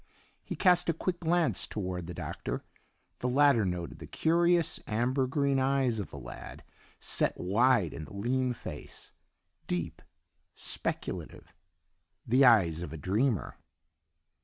He cast a quick glance toward the Doctor; the latter noted the curious amber green eyes of the lad, set wide in the lean face, deep, speculative, the eyes of a dreamer.